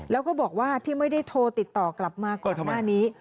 แล้วก็บอกว่าที่ไม่ได้โทรติดต่อกลับมาก่อนหน้านี้